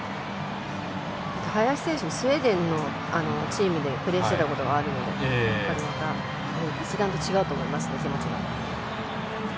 林選手もスウェーデンのチームでプレーしていたこともあるので一段と気持ちが違うと思います。